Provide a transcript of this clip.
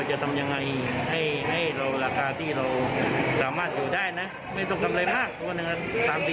จัดหยุดหมดเลยแล้วก็สู้ราคาไม่ได้